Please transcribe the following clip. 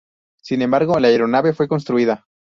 Sin embargo, la aeronave fue construida.